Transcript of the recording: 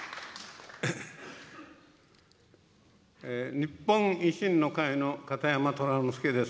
日本維新の会の片山虎之助です。